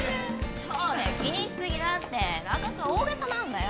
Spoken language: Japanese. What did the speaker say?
そうだよ気にし過ぎだって中津は大げさなんだよ。